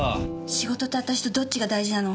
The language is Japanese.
仕事と私とどっちが大事なの？